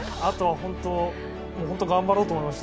本当に頑張ろうと思いました。